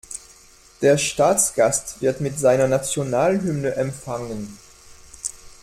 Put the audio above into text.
Der Staatsgast wird mit seiner Nationalhymne empfangen.